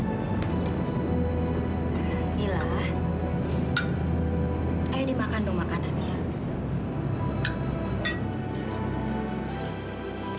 ayah dimakan dong makanannya